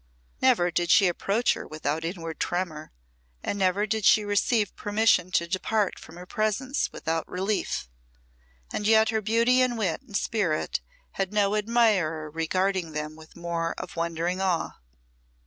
Never did she approach her without inward tremor, and never did she receive permission to depart from her presence without relief. And yet her beauty and wit and spirit had no admirer regarding them with more of wondering awe.